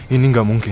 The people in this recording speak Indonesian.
ini gak mungkin